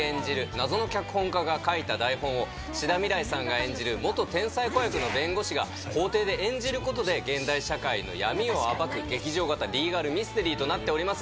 謎の脚本家が書いた台本を志田未来さんが演じる天才子役の弁護士が法廷で演じることで現代社会の闇を暴く劇場型リーガルミステリーとなっております。